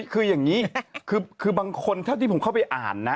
คึยังนี้คือบางคนถ้าที่ผมเข้าไปอ่านนะ